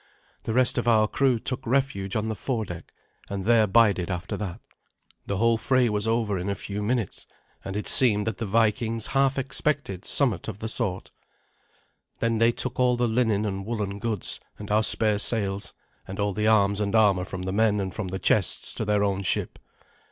The rest of our crew took refuge on the fore deck, and there bided after that. The whole fray was over in a few minutes, and it seemed that the Vikings half expected somewhat of the sort. Then they took all the linen and woollen goods, and our spare sails, and all the arms and armour from the men and from the chests to their own ship.